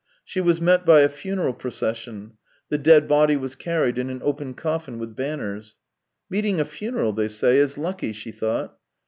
She was met by a funeral procession: the dead body was carried in an open coffin with banners. " Meeting a funeral, they say, is lucky," she thought.